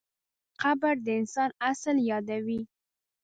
قبر د انسان اصل یادوي.